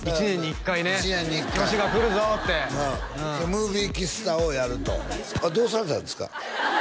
１年に１回ね女子が来るぞってうんムービー喫茶をやるとどうされたんですか？